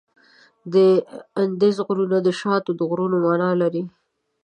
د اندیز غرونه د شاتو د غرونو معنا لري.